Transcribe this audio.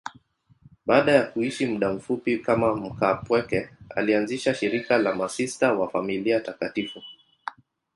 Baada ya kuishi muda mfupi kama mkaapweke, alianzisha shirika la Masista wa Familia Takatifu.